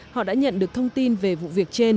họ đã nhận được thông tin về vụ việc trên